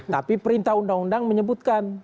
tapi perintah undang undang menyebutkan